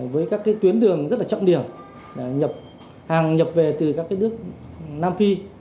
với các cái tuyến đường rất là trọng điểm hàng nhập về từ các cái nước nam phi